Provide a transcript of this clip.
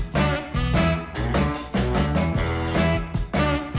สวัสดีครับสวัสดีครับ